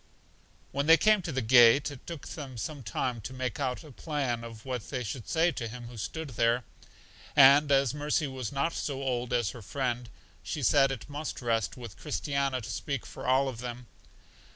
When they came to the gate, it took them some time to make out a plan of what they should say to Him who stood there; and as Mercy was not so old as her friend, she said that it must rest with Christiana to speak for all of them.